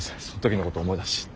その時のこと思い出し。